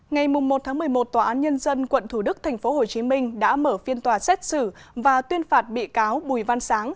ngày một một mươi một tòa án nhân dân quận thủ đức tp hcm đã mở phiên tòa xét xử và tuyên phạt bị cáo bùi văn sáng